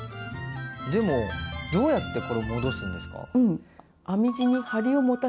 でもどうやってこれを戻すんですか？